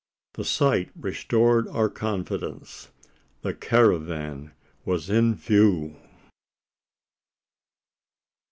The sight restored our confidence: the caravan was in view!